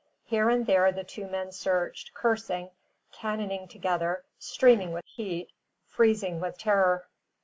Here and there the two men searched, cursing, cannoning together, streaming with heat, freezing with terror.